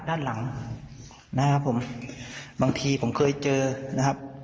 ด้านหลังนะครับผมบางทีผมเคยเจอนะครับ